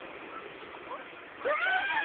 えっうわ！